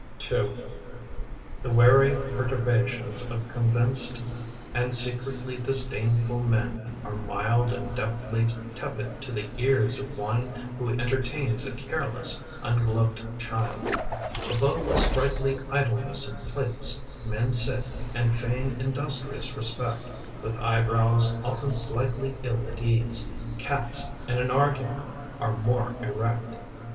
II X HE wary perturbations of convinced And secretly disdainful men are mild And deftly tepid to the ears of one Who entertains a careless, ungloved child. Above the sprightly idleness of plates Men sit and feign industrious respect, With eye brows often slightly ill at ease — Cats in an argument are more erect.